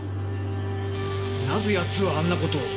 なぜやつはあんなことを？